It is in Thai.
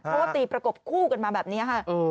เพราะว่าตีประกบคู่กันมาแบบนี้ค่ะ